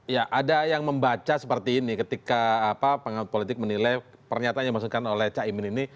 ya ada yang membaca seperti ini ketika pengawat politik menilai pernyataan yang dimaksudkan oleh cak imin ini